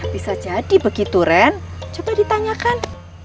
bisa jadi begitu ren coba ditanyakan